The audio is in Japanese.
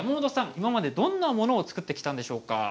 今までどんなものを作ってきたんでしょうか。